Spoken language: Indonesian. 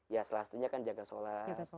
ya salah satunya kan jaga sholat